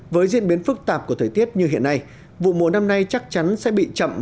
với diễn biến phức tạp của thời tiết như hiện nay vụ mùa năm nay chắc chắn sẽ bị chậm